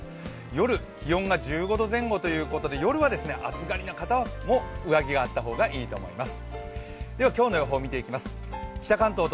夜、気温が１５度前後ということで夜はですね、暑がりな方も上着があった方がいいと思います。